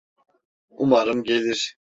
Umarım gelir.